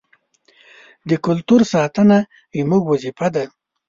د کلتور ساتنه زموږ وظیفه ده.